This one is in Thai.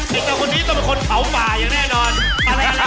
เธอคนนี้ต้องเป็นคนเผาป่าอย่างแน่นอน